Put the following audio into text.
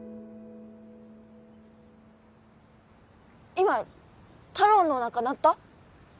今たろーのおなか鳴った？